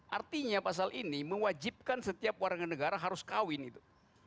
artinya pasal ini mewajibkan setiap warga negara harus kawin itu